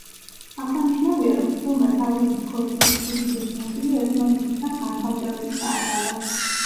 აღსანიშნავია, რომ წყვილმა თავიანთი ქორწინების უდიდესი ნაწილი ერთმანეთისგან განცალკევებით გაატარა.